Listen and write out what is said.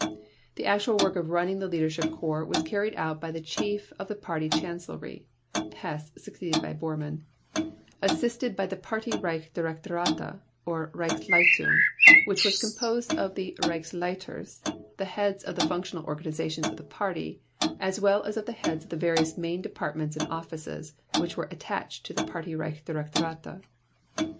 The actual work of running the Leadership Corps was carried out by the Chief of the Party Chancellery (Hess, succeeded by Bormann) assisted by the Party Reich Directorate, or Reichsleitung, which was composed of the Reichsleiters, the heads of the functional organizations of the Party, as well as of the heads of the various main departments and offices which were attached to the Party Reich Directorate.